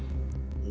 nimas pak witra